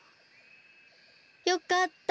よかった。